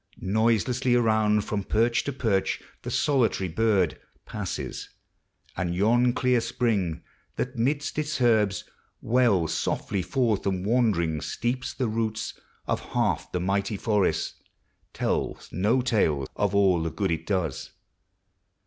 Noiselessly around, From perch to perch, the solitary bird Passes; and yon clear spring, that, midst iis herbs, Wells softly forth and wandering sleeps the roots Of half the mighty forest, tells no tale Of all the good it does.